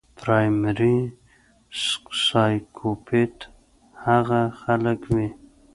پرايمري سايکوپېت هغه خلک وي